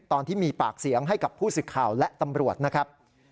ตอนที่มีปากเสียงให้กับผู้สึกข่าวและตำรวจนะครับ